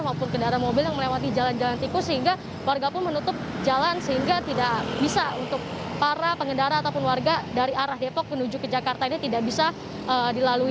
maupun kendaraan mobil yang melewati jalan jalan tikus sehingga warga pun menutup jalan sehingga tidak bisa untuk para pengendara ataupun warga dari arah depok menuju ke jakarta ini tidak bisa dilalui